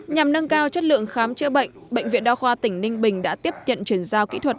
nhằm nâng cao chất lượng khám chữa bệnh bệnh viện đa khoa tỉnh ninh bình đã tiếp nhận chuyển giao kỹ thuật